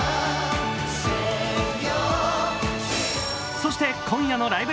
そして今夜の「ライブ！